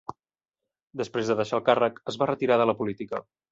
Després de deixar el càrrec, es va retirar de la política.